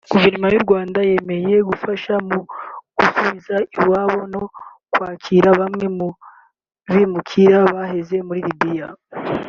Guverinoma y’u Rwanda yemeye gufasha mu gusubiza iwabo no kwakira bamwe mu bimukira baheze muri Libya